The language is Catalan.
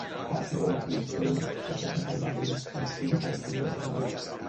A "Low Blue Flame", es va aplicar el mateix estil cínic a les figures bíbliques.